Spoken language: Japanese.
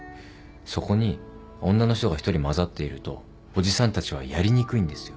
そこに女の人が１人交ざっているとおじさんたちはやりにくいんですよ。